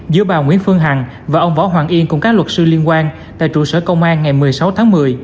giữa bà nguyễn phương hằng và ông võ hoàng yên cùng các luật sư liên quan tại trụ sở công an ngày một mươi sáu tháng một mươi